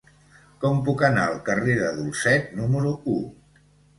Com puc anar al carrer de Dulcet número u?